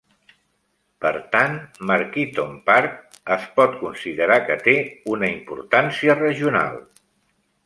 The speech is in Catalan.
Per tant, Markeaton Park es pot considerar que té una importància regional.